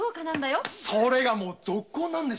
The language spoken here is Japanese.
それがもうゾッコンなんです。